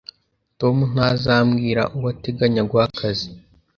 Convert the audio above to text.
Tom ntazambwira uwo ateganya guha akazi.